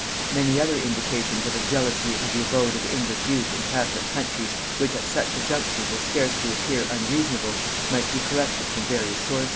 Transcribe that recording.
Many other indications of a jealousy of the abode of English youth in catholic countries, which at such a juncture will scarcely appear unreasonable, might be collected from various sources.